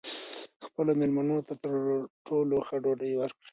خپلو مېلمنو ته تر ټولو ښه ډوډۍ ورکړئ.